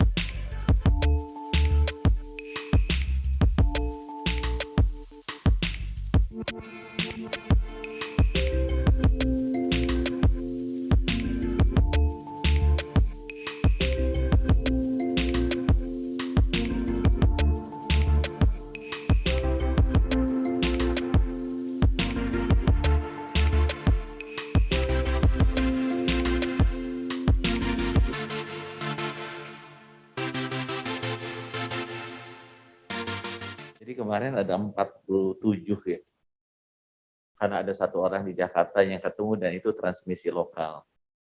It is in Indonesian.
jadi kemarin ada empat puluh tujuh ya karena ada satu orang di jakarta yang ketemu dan itu transmisi lokal